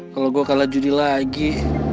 kalau gue kalah judi lagi